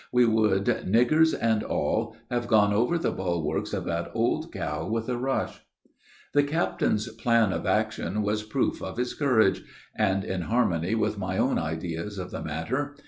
we would, niggers and all, have gone over the bulwarks of that old cow with a rush. "The captain's plan of action was proof of his courage, and in harmony with my own ideas of the matter.